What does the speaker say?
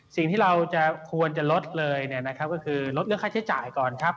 สิ่งที่เราควรจะลดเลยก็คือลดค่าใช้จ่ายก่อนครับ